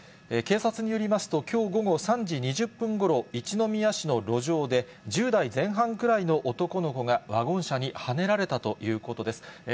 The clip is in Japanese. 警察によりますと、きょう午後３時２０分ごろ、一宮市の路上で１０代前半くらいの男の子がワゴン車にはねられたということです。